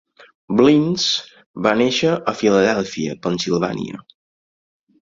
Blinns va néixer a Filadèlfia, Pennsilvània.